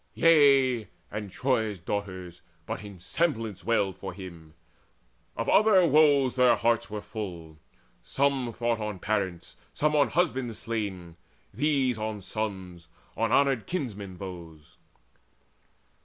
Yea, and Troy's daughters but in semblance wailed For him: of other woes their hearts were full. Some thought on parents, some on husbands slain, These on their sons, on honoured kinsmen those.